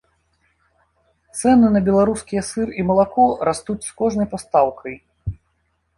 Цэны на беларускія сыр і малако растуць з кожнай пастаўкай.